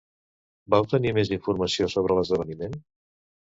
Vau tenir més informació sobre l'esdeveniment.